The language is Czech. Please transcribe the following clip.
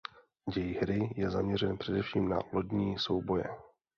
Děj hry je zaměřen především na lodní souboje.